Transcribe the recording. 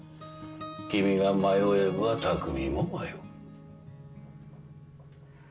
君が迷えば匠も迷う。